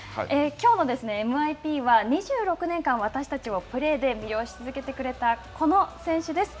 「きょうのＭＩＰ」は２６年間、私たちをプレーで魅了し続けてくれたこの選手です。